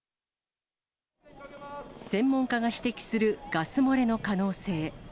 専門家が指摘するガス漏れの可能性。